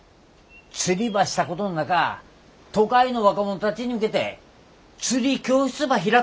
釣りばしたことんなか都会の若者たちに向けて釣り教室ば開くちゅうとやどうね？